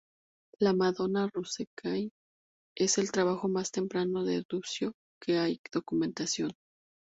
La "Madonna Rucellai" es el trabajo más temprano de Duccio del que hay documentación.